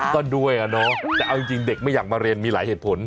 ก็ด้วยอะเนาะแต่เอาจริงเด็กไม่อยากมาเรียนมีหลายเหตุผล